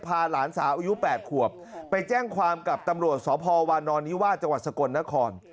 หลานสาวอายุ๘ขวบไปแจ้งความกับตำรวจสพวานอนนิวาสจังหวัดสกลนคร